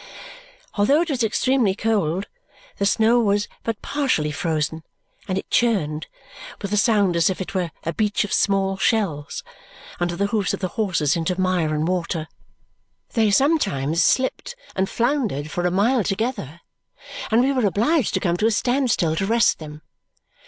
Although it was extremely cold, the snow was but partially frozen, and it churned with a sound as if it were a beach of small shells under the hoofs of the horses into mire and water. They sometimes slipped and floundered for a mile together, and we were obliged to come to a standstill to rest them.